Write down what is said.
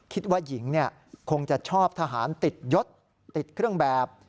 คิดว่าหญิงคงจะชอบทหารติดยศติดเครื่องแบบ